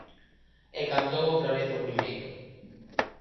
E cantou outra vez o primeiro.